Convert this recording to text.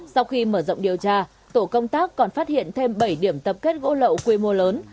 sau khi mở rộng điều tra tổ công tác còn phát hiện thêm bảy điểm tập kết gỗ lậu quy mô lớn